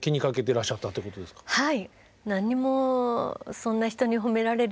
はい。